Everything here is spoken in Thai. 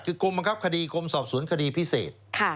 คือกลุ่มบังคับคดีกลุ่มสอบศูนย์คดีพิเศษค่ะ